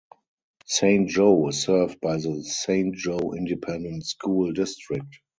Saint Jo is served by the Saint Jo Independent School District.